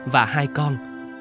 và hai con